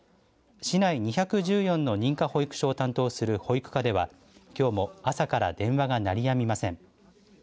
市内２１４の認可保育所を担当する保育課ではきょうも朝から電話が鳴り止みません。